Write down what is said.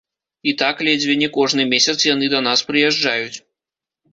І так ледзьве не кожны месяц яны да нас прыязджаюць.